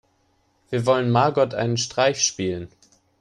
Wir wollen Margot einen Streich spielen.